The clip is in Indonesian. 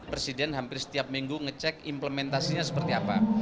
presiden hampir setiap minggu ngecek implementasinya seperti apa